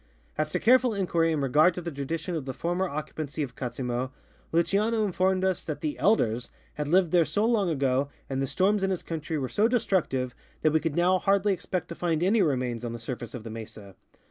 After careful inquiry in regard to the tradition of the former occupancy of Katzimo, Luciano informed us that " the elders " had lived there so long ago and the storms in his country were so destructive that we could now hardly expect to find any remains on the surface of the mesa.